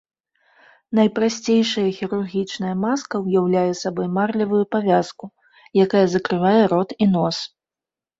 Найпрасцейшая хірургічная маска ўяўляе сабой марлевую павязку, якая закрывае рот і нос.